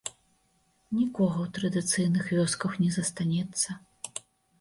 Нікога ў традыцыйных вёсках не застанецца.